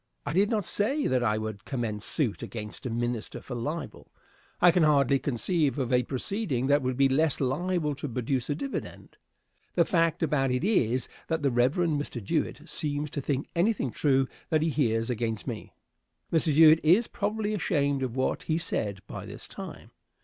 I did not say that I would commence suit against a minister for libel. I can hardly conceive of a proceeding that would be less liable to produce a dividend. The fact about it is, that the Rev. Mr. Jewett seems to think anything true that he hears against me. Mr. Jewett is probably ashamed of what he said by this time.